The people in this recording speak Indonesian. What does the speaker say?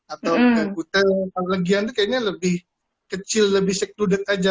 atau ke kuta atau legian itu kayaknya lebih kecil lebih secluded aja